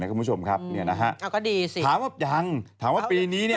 คุณผู้ชมครับเนี่ยนะฮะก็ดีสิถามว่ายังถามว่าปีนี้เนี่ย